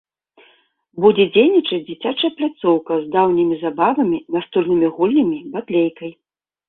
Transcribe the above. Будзе дзейнічаць дзіцячая пляцоўка з даўнімі забавамі, настольнымі гульнямі, батлейкай.